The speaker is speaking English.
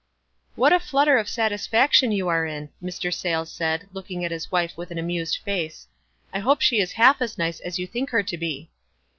"What a flutter of satisfaction you are in," Mr. Saylcs said, looking at bis wife with an amused face. "I hope she is half as nice as you think her to be."